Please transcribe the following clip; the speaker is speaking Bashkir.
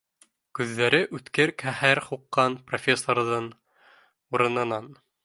Күҙҙәре үткер ҡәһәр һуҡҡан профессорҙың, урынынан